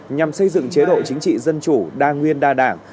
nhằm xây dựng chế độ chính trị dân chủ đa nguyên đa đảng